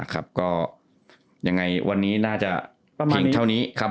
ก็ยังไงวันนี้น่าจะเพียงเท่านี้ครับ